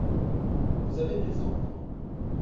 Vous avez des enfants ?